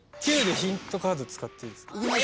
９でヒントカード使っていいですか？